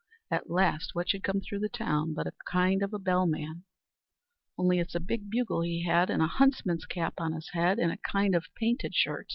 At last what should come through the town but a kind of a bell man, only it's a big bugle he had, and a huntsman's cap on his head, and a kind of painted shirt.